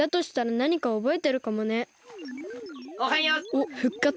おっふっかつ？